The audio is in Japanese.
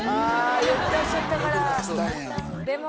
欲出しちゃったから。